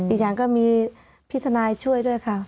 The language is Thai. อีกอย่างก็มีพี่ทนายช่วยด้วยค่ะ